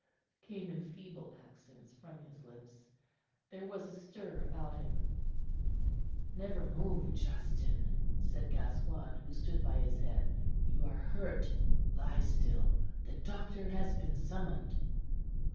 came in feeble accents from his lips. There was a stir about him. "Never move, Justin," said Gascoigne, who stood by his head. "You are hurt. Lie still. The doctor has been summoned."